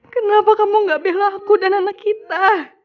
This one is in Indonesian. kenapa kamu gak bela aku dan anak kita